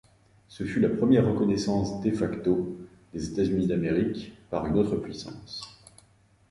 Ce fut la première reconnaissance de facto des États-Unis d'Amérique par une autre puissance.